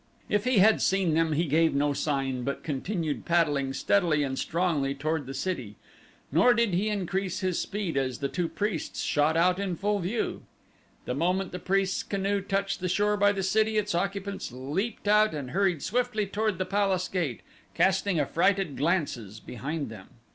If he had seen them he gave no sign, but continued paddling steadily and strongly toward the city, nor did he increase his speed as the two priests shot out in full view. The moment the priests' canoe touched the shore by the city its occupants leaped out and hurried swiftly toward the palace gate, casting affrighted glances behind them.